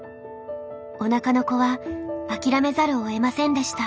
おなかの子は諦めざるをえませんでした。